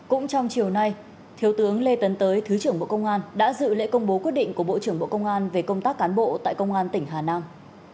cũng trong chiều nay thiếu tướng lê tấn tới thứ trưởng bộ công an đã dự lễ công bố quyết định của bộ trưởng bộ công an về công tác cán bộ tại công an tỉnh hà nam